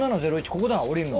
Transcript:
ここだ降りるの。